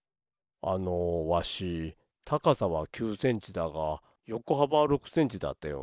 あのわしたかさは９センチだがよこはばは６センチだったような。